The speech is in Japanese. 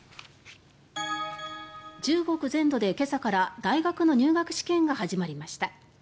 中国全土で今朝から大学の入学試験が始まりました。